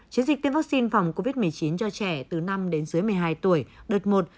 chiến dịch tiêm vaccine phòng covid một mươi chín cho trẻ từ năm đến dưới một mươi hai tuổi đợt một